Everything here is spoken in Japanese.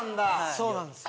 そうなんですよ。